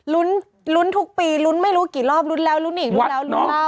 ลุ้นลุ้นทุกปีลุ้นไม่รู้กี่รอบรุ้นแล้วลุ้นอีกลุ้นแล้วลุ้นรอบ